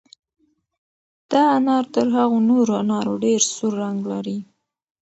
دا انار تر هغو نورو انارو ډېر سور رنګ لري.